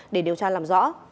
để điều tra làm rõ